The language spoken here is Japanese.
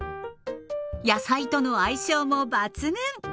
野菜との相性も抜群。